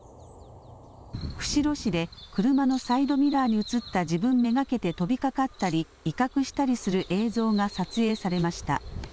釧路市で車のサイドミラーに映った自分目がけて飛びかかったり威嚇したりする映像が撮影されました。